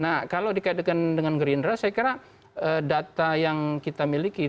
nah kalau dikaitkan dengan gerindra saya kira data yang kita miliki